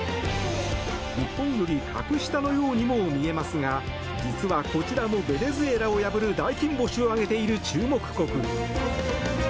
日本より格下のようにも見えますが実は、こちらもベネズエラを破る大金星を挙げている注目国。